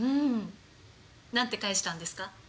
なんて返したんですか？